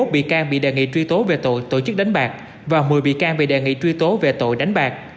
một mươi bị can bị đề nghị truy tố về tội tổ chức đánh bạc và một mươi bị can bị đề nghị truy tố về tội đánh bạc